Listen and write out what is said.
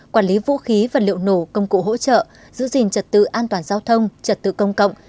quản lý vũ khí vật liệu nổ công cụ hỗ trợ giữ gìn trật tự an toàn giao thông trật tự công cộng